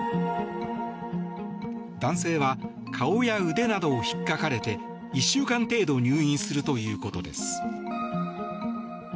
男性は顔や腕などをひっかかれて１週間程度入院するということです。